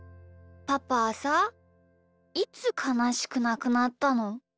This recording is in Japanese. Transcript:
パパはさいつかなしくなくなったの？